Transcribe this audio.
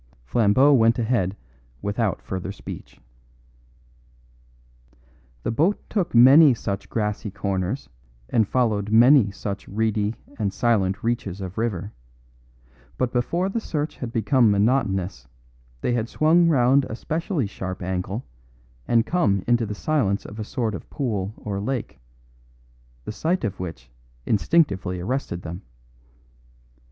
Flambeau went ahead without further speech. The boat took many such grassy corners and followed many such reedy and silent reaches of river; but before the search had become monotonous they had swung round a specially sharp angle and come into the silence of a sort of pool or lake, the sight of which instinctively arrested them.